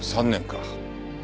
２３年か。